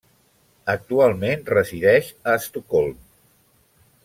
Actualment resideix a Estocolm.